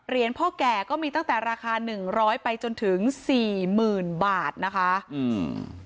พ่อแก่ก็มีตั้งแต่ราคาหนึ่งร้อยไปจนถึงสี่หมื่นบาทนะคะอืม